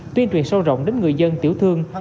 tuyên truyền sâu rộng đến người dân tiểu thương